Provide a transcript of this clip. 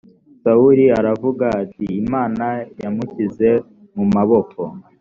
sawuli aravuga ati: imana yamushyize mu maboko